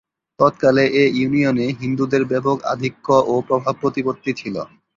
তৎকালে এ ইউনিয়নে হিন্দুদের ব্যাপক আধিক্য ও প্রভাব-প্রতিপত্তি ছিল।